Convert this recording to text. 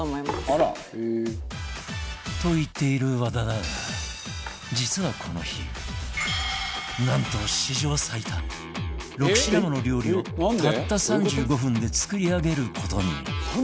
と言っている和田だが実はこの日なんと史上最多６品もの料理をたった３５分で作り上げる事に